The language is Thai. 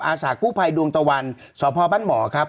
อาสากู้ภัยดวงตะวันสพบ้านหมอครับ